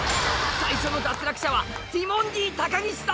最初の脱落者はティモンディ高岸さん。